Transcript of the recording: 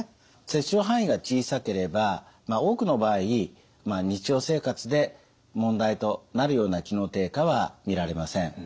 切除範囲が小さければ多くの場合日常生活で問題となるような機能低下は見られません。